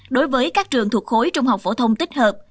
đối với các trường thuộc khối trung học phổ thông tích hợp